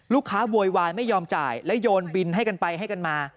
โวยวายไม่ยอมจ่ายและโยนบินให้กันไปให้กันมา